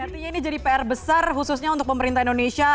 artinya ini jadi pr besar khususnya untuk pemerintah indonesia